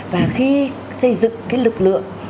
và khi xây dựng cái lực lượng